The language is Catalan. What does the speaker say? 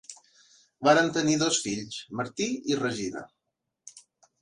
Varen tenir dos fills, Martí i Regina.